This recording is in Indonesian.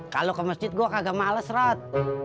kalau ke masjid gua kagak males rat